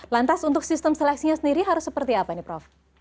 lantas untuk sistem seleksinya sendiri harus seperti apa nih prof